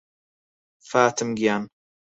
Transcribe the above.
فاتم گیان